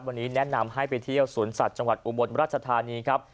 วันนี้แนะนำให้ไปเที่ยวสวนสัตว์จังหวัดอุบลราชธานีครับ